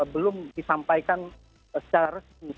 belum disampaikan sar